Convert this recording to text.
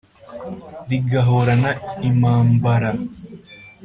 rigahorana impambara.